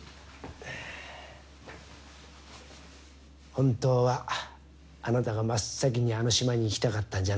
本当はあなたが真っ先にあの島に行きたかったんじゃないんですか？